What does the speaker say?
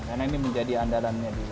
karena ini menjadi andalannya di kota